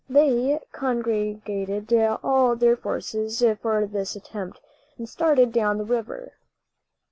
They congregated all their forces for this attempt, and started down the river.